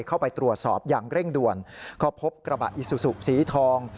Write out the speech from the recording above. เข้าไปตรวจสอบอย่างเร่งด่วนก็พบกระบะอิซูซูสีทอง